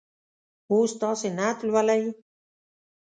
اوس تاسې نعت لولئ.